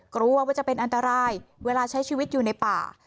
กลัวว่าจะเป็นอันตรายเวลาใช้ชีวิตอยู่ในป่า